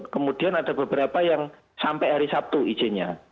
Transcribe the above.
kemudian ada beberapa yang sampai hari sabtu izinnya